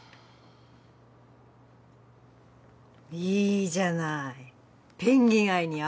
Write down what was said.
いいじゃない。